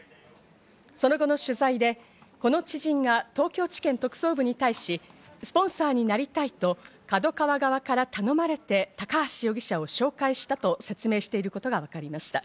その後の取材で、この知人が東京地検特捜部に対しスポンサーになりたいとＫＡＤＯＫＡＷＡ側から頼まれて高橋容疑者を紹介したと説明していることが分かりました。